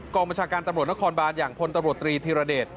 บัญชาการตำรวจนครบานอย่างพลตำรวจตรีธีรเดช